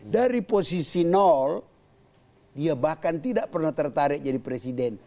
dari posisi nol dia bahkan tidak pernah tertarik jadi presiden